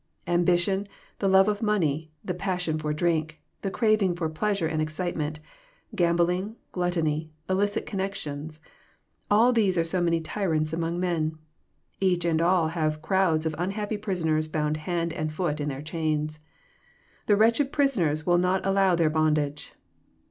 Ambition, the love of money, the passion for drink, the craving for pleasure and excitement, gambling, gluttony, illicit connections, — all these are so many tyrants among men. Each and all have crowds of unhappy prisoners bound hand and foot in their chains. The wretched prisoners will not allow their bond age.